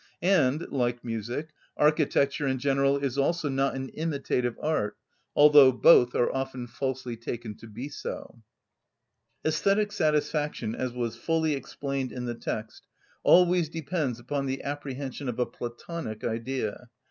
And, like music, architecture in general is also not an imitative art, although both are often falsely taken to be so. Æsthetic satisfaction, as was fully explained in the text, always depends upon the apprehension of a (Platonic) Idea.